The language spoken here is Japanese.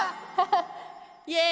イエイ！